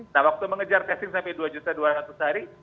nah waktu mengejar testing sampai dua dua juta sehari